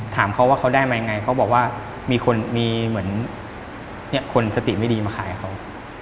ถามเขาว่าเขาได้ไหมยังไงเขาบอกว่ามีคนสติไม่ดีมาขายเขา